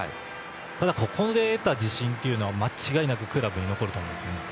ただ、ここで得た自信というのは間違いなくクラブに残ると思います。